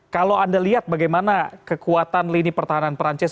kalau anda lihat bagaimana kekuatan lini pertahanan perancis